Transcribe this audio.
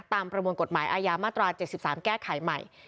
ประมวลกฎหมายอาญามาตรา๗๓แก้ไขใหม่